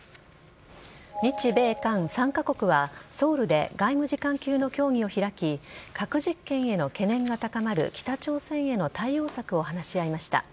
日米韓３カ国はソウルで外務次官級の協議を開き核実験への懸念が高まる北朝鮮への対応策を話し合いました。